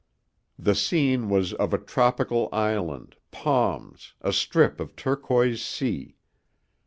The scene was of a tropical island, palms, a strip of turquoise sea.